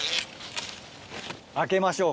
開けましょう。